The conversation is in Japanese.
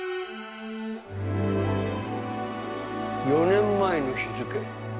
４年前の日付。